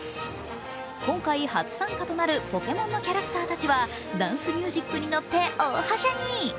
今回は初参加となるポケモンのキャラクターたちはダンスミュージックにのって大はしゃぎ。